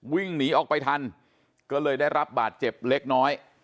วิ่งหนีออกไปทันก็เลยได้รับบาดเจ็บเล็กน้อย